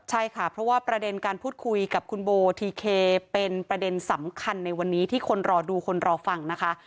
ใช่ค่ะเพราะว่าประเด็นการพูดคุยกับคุณโบทีเคเป็นประเด็นสำคัญในวันนี้ที่คนรอดูคนรอฟังนะคะ